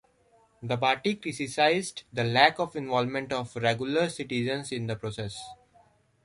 The party criticized the lack of involvement of regular citizens in the process.